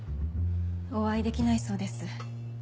お会いできないそうです。